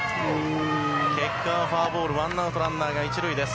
結果はフォアボール、ワンアウト、ランナーが１塁です。